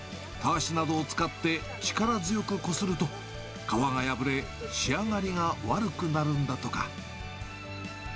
たわしなどを使って力強くこすると、皮が破れ、仕上がりが悪くなるんだとか。